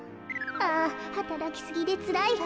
あはたらきすぎでつらいわ。